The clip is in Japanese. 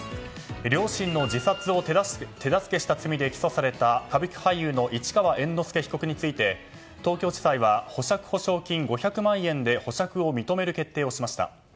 両親の自殺を手助けした罪で起訴された歌舞伎俳優の市川猿之助被告について東京地裁は保釈保証金５００万円で保釈を認める決定をしました。